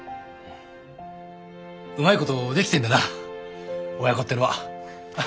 うまいことできてんだな親子ってのは。